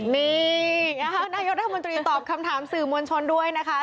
นี่นายกรัฐมนตรีตอบคำถามสื่อมวลชนด้วยนะคะ